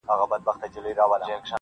د شهیدانو د قبرونو کوي-